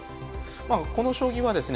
この将棋はですね